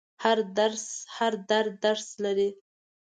هر درد درس لري.